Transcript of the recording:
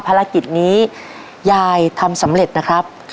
ภารกิจนี้ยายทำสำเร็จนะครับ